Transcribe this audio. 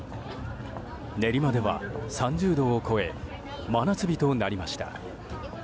練馬では３０度を超え真夏日となりました。